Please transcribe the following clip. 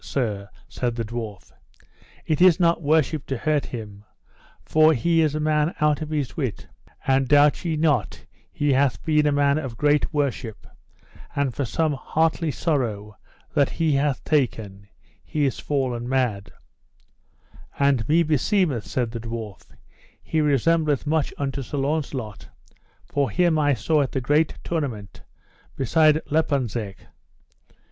Sir, said the dwarf, it is not worship to hurt him, for he is a man out of his wit; and doubt ye not he hath been a man of great worship, and for some heartly sorrow that he hath taken, he is fallen mad; and me beseemeth, said the dwarf, he resembleth much unto Sir Launcelot, for him I saw at the great tournament beside Lonazep.